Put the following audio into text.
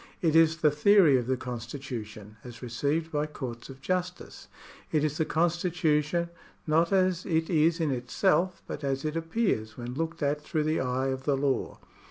It is the theory of the constitu tion, as received by courts of justice. It is the constitution, not as it is in itself, but as it appears when looked at through the eye of the law.